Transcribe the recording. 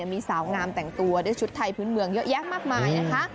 มีสาวงามแต่งตัวด้วยชุดไทยพื้นเมืองเยอะแยะมากมายนะคะ